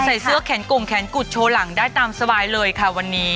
ใส่เสื้อแขนกงแขนกุดโชว์หลังได้ตามสบายเลยค่ะวันนี้